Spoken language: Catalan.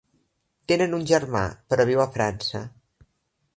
Tenen un germà, però viu a França.